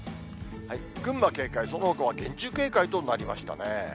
群馬警戒、そのほかは厳重警戒となりましたね。